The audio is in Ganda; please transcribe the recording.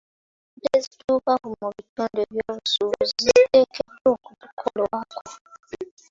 Enguudo ezituuka mu bitundu byobusuubuzi ziteekeddwa okukolwako.